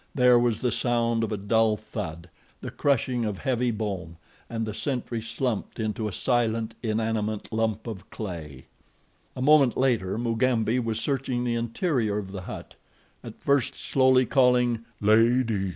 There was the sound of a dull thud, the crushing of heavy bone, and the sentry slumped into a silent, inanimate lump of clay. A moment later Mugambi was searching the interior of the hut. At first slowly, calling, "Lady!"